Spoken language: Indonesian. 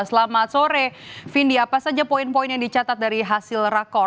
selamat sore vindi apa saja poin poin yang dicatat dari hasil rakor